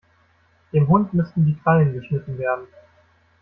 Dem Hund müssten die Krallen geschnitten werden.